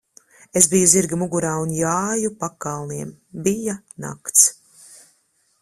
Es biju zirga mugurā un jāju pa kalniem. Bija nakts.